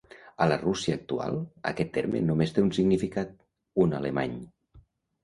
A la Rússia actual, aquest terme només té un significat: 'un alemany'.